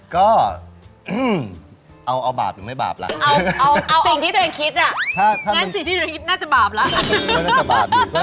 ก็เอาบาปหรือไม่บาปล่ะงั้นสิ่งที่ตัวเองคิดน่าจะบาปล่ะ